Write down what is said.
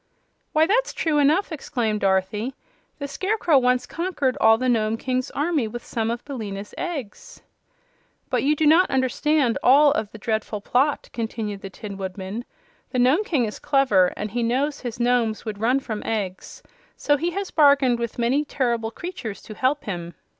"Why, that's true enough!" exclaimed Dorothy. "The Scarecrow once conquered all the Nome King's army with some of Billina's eggs." "But you do not understand all of the dreadful plot," continued the Tin Woodman. "The Nome King is clever, and he knows his Nomes would run from eggs; so he has bargained with many terrible creatures to help him.